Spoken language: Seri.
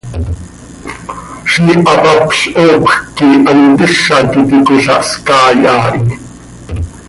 Ziix hapapl hoopjc quih hant hizac iti cola hscaai haa hi.